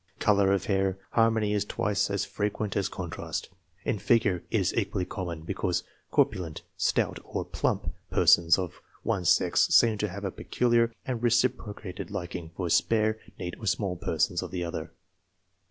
In colour of hair, harmony is twice as jfrequent as contrast. In figure it is equally common, because " corpulent, stout, or plump " persons of one sex seem to have a peculiar and reciprocated liking for "spare, neat, or small" persons of the other.